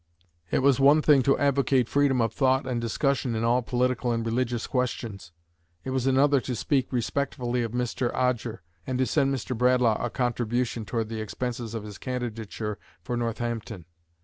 It was one thing to advocate freedom of thought and discussion in all political and religious questions it was another to speak respectfully of Mr. Odger, and to send Mr. Bradlaugh a contribution toward the expenses of his candidature for Northampton.